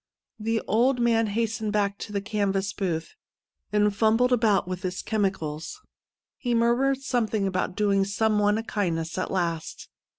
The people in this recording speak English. The old man hastened back to the canvas booth, and fumbled about with his chemicals. He mur mured something about doing some one a kindness at last.